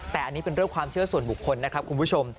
แต่อันนี้เป็นเรื่องความเชื่อส่วนบุคคลนะครับคุณผู้ชม